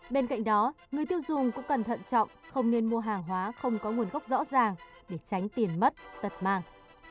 bên cạnh đó người tiêu dùng cũng cẩn thận trọng không nên mua hàng hóa không có nguồn gốc rõ ràng để tránh tiền mất tật mang